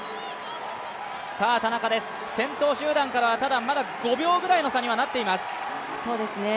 田中選手、先頭集団からはまだ５秒ぐらいの差になっています。